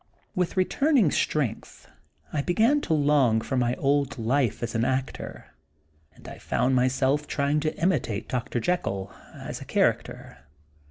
With returning strength I began to long for my old life as an actor, and I found myself trying to imitate Dr. Jekyll, as a character.